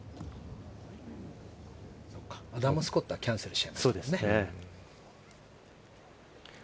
アダム・スコットはキャンセルしましたね。